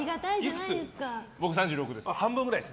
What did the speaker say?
僕、３６です。